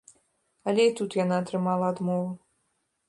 Але і тут яна атрымала адмову.